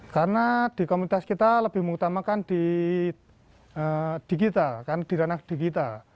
karena di komunitas kita lebih mengutamakan di digital kan di ranak digital